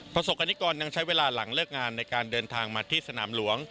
ประสบกรณิกรยังใช้เวลาหลังเลิกงานในการเดินทางมาที่สนามหลวง